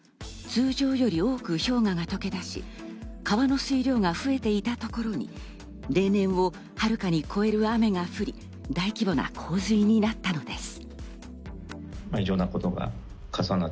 通常より多く氷河がとけ出し、川の水量が増えていたところに例年を遥かに超える雨が降り、大規模な洪水になったのです。